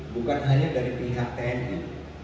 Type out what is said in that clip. bukan hanya dari pihak tni